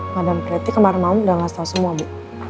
madame preti kemarin mau udah ngasih tau semua bu